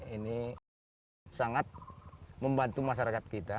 ini sangat membantu masyarakat kita